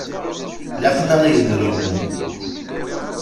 Laqen-aɣ yidrimen.